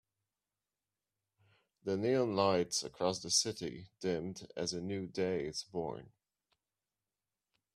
The neon lights across the city dimmed as a new day is born.